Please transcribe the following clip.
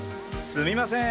すみません。